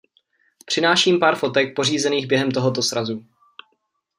Přináším pár fotek pořízených během tohoto srazu.